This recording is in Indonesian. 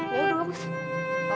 yaudah aku mau pulang